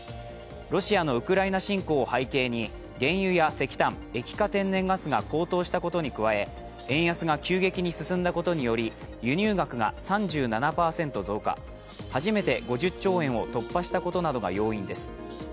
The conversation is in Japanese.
ロシアのウクライナ侵攻を背景に原油や石炭、液化天然ガスが高騰したことに加え、円安が急激に進んだことにより、輸入額が３７％増加、初めて５０兆円を突破したことなどが要因です。